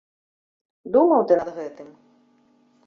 Думаў ты над гэтым?